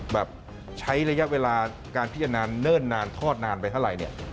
แบบใช้ระยะเวลาการพิจารณาเนิ่นนานทอดนานไปเท่าไหร่เนี่ย